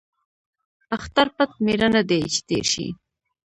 ـ اختر پټ ميړه نه دى ،چې تېر شي.